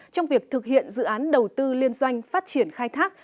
trong việc thực hiện dự án đầu tư liên doanh phát triển khai thác